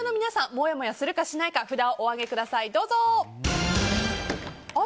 もやもやするか、しないか札をお上げください。